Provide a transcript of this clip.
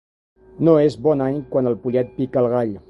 No és bon any quan el pollet pica el gall.